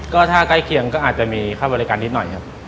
ก็ถ้าใกล้เคียงก็อาจจะมีค่าบริการนิดหน่อยครับ